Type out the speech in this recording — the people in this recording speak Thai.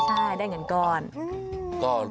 ใช่ได้เงินก้อน